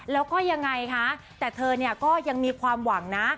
แล้วก็ยังไงคะแต่เธอเนี่ยก็ยังมีความหวังนะ